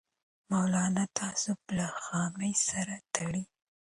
مولانا تعصب له خامۍ سره تړي